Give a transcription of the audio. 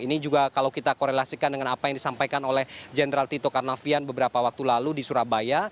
ini juga kalau kita korelasikan dengan apa yang disampaikan oleh jenderal tito karnavian beberapa waktu lalu di surabaya